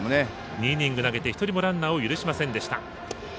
２イニング投げて１人もランナーを許しませんでした。